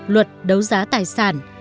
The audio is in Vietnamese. luật đấu giá tài sản